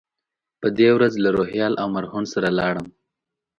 په دې ورځ له روهیال او مرهون سره لاړم.